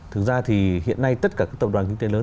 thực ra thì hiện nay tất cả các tập đoàn kinh tế lớn